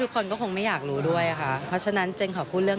เรื่องของตัวตัวเองจริงเขาไม่พูดหรอก